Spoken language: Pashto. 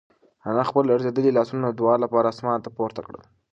انا خپل لړزېدلي لاسونه د دعا لپاره اسمان ته پورته کړل.